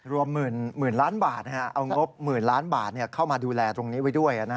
รวมหมื่นล้านบาทเอางบหมื่นล้านบาทเข้ามาดูแลตรงนี้ไว้ด้วย